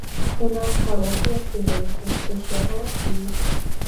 У нас харошыя студэнты, усе галасуюць.